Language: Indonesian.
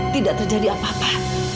tidak terjadi apa apa